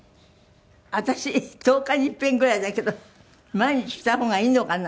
私１０日にいっぺんぐらいだけど毎日した方がいいのかな？